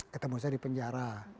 ketemu saya di penjara